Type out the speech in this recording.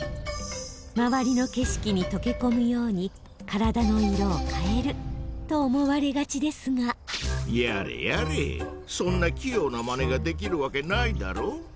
周りの景色にとけこむように体の色を変えると思われがちですがやれやれそんな器用なまねができるわけないだろ？